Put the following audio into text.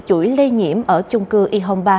chuỗi lây nhiễm ở chung cư y hông ba